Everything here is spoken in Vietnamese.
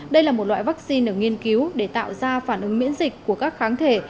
đây là một loại vaccine được nghiên cứu để tạo ra phản ứng miễn dịch của các kháng thể